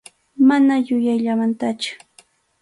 Mana yuyayllamantachu.